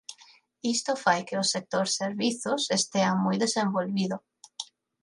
Isto fai que o sector servizos estea moi desenvolvido.